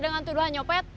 dengan tuduhan nyopet